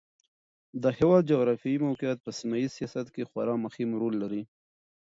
د هېواد جغرافیایي موقعیت په سیمه ییز سیاست کې خورا مهم رول لري.